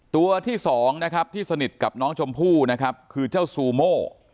ตัวที่สองที่สนิทกับน้องชมพู่คือเจ้าซูโม่